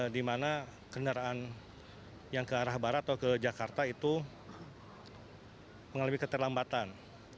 di mana kendaraan yang ke arah barat atau ke jakarta itu mengalami keterlambatan